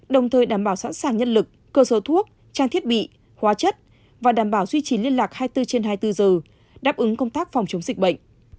đồng thời đảm bảo sẵn sàng nhân lực cơ số thuốc trang thiết bị hóa chất và đảm bảo duy trì liên lạc hai mươi bốn trên hai mươi bốn giờ đáp ứng công tác phòng chống dịch bệnh